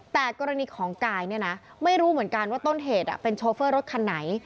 แต่กรณีของกายเนี่ยนะไม่รู้เหมือนกันว่าต้นเหตุเป็นโชเฟอร์รถคันไหน